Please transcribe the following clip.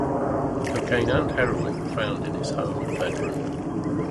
Cocaine and heroin were found in his home and bedroom.